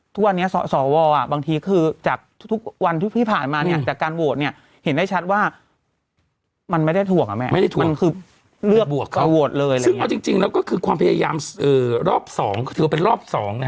ถึงเอาจริงแล้วก็ความพยายามที่ถือเป็นรอบ๒